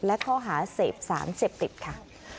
และข้อหาเสพสารเสพติดค่ะ